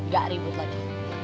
gak ribut lagi